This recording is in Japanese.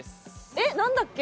えっなんだっけ？